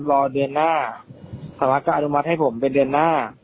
รอเดือนหน้าสารวัสก็อนุมัติให้ผมเป็นเดือนหน้า